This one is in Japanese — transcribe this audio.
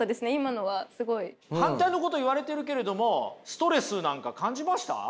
反対のこと言われてるけれどもストレスなんか感じました？